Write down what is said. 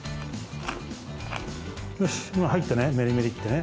よし今入ったねメリメリってね